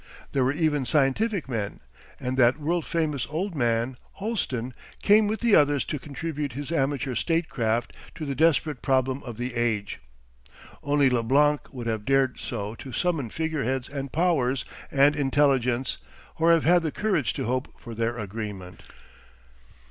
There were even scientific men; and that world famous old man, Holsten, came with the others to contribute his amateur statecraft to the desperate problem of the age. Only Leblanc would have dared so to summon figure heads and powers and intelligence, or have had the courage to hope for their agreement....